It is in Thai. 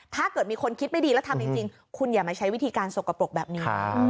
ถ้าเกิดมีคนคิดไม่ดีแล้วทำจริงคุณอย่ามาใช้วิธีการสกปรกแบบนี้